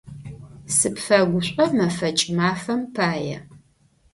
Сыпфэгушӏо мэфэкӏ мафэм пае.